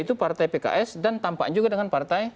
itu partai pks dan tampak juga dengan partai